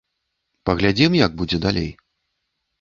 Паглядзім, як будзе далей.